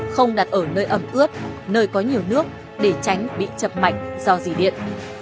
không đặt ở nơi ấm ướt nơi có nhiều nước để tránh bị chập mạnh do dì điện